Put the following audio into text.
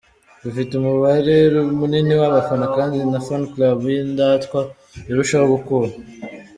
Dufite umubare munini w’abafana kandi na Fan Club y’Indatwa irushaho gukura.